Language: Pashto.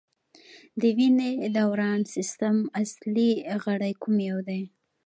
د وینې دوران سیستم اصلي غړی کوم یو دی